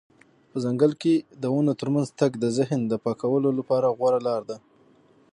په ځنګل کې د ونو ترمنځ تګ د ذهن د پاکولو غوره لاره ده.